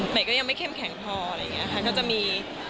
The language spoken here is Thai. แต่ยังไม่เข้มแข็งพออะไรแบบนี้ค่ะก็จะมี